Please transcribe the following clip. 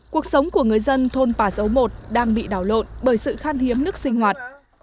cuộc sống của người dân thôn pà dấu một đang bị đảo lộn bởi sự khan hiếm nước sinh hoạt